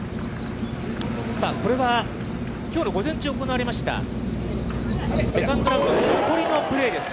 さあ、これは、きょうの午前中行われました、セカンドラウンドの残りのプレーです。